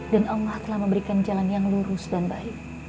dan allah telah memberikan jalan yang lurus dan baik